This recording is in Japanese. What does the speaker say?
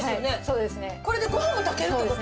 これでご飯も炊けるって事？